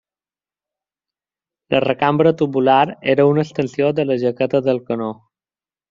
La recambra tubular era una extensió de la jaqueta del canó.